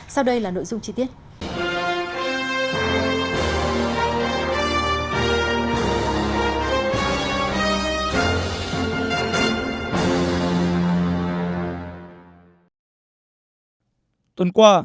sau đây là nội dung chi tiết